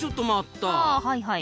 あはいはい。